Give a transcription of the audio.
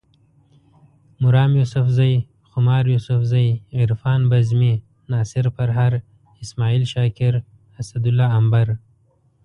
مرام یوسفزے، خمار یوسفزے، عرفان بزمي، ناصر پرهر، اسماعیل شاکر، اسدالله امبر